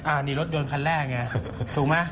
อ่านี่รถยนต์คันแรกเนี่ยถูกไหม